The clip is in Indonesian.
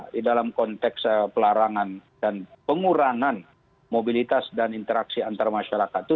di dalam konteks pelarangan dan pengurangan mobilitas dan interaksi antar masyarakat itu